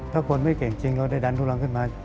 ถ้าคนไม่เก่งจริงเราได้ดันทุรังขึ้นมา